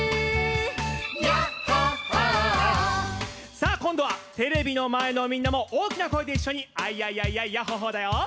さあこんどはテレビのまえのみんなもおおきなこえでいっしょに「アイヤイヤイヤイヤッホ・ホー」だよ？